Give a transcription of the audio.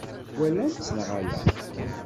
Twalam-tt neɣ ala?